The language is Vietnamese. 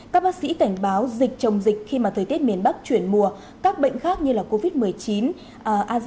các bác sĩ cảnh báo dịch chồng dịch khi mà thời tiết miền bắc chuyển mùa các bệnh khác như là covid một mươi chín azenovirus cúm thủy đậu